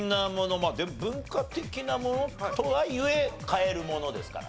まあでも文化的なものとはいえ買えるものですからね。